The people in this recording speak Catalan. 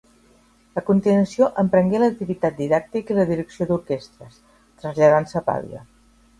A continuació emprengué l'activitat didàctica i la direcció d'orquestres, traslladant-se a Pavia.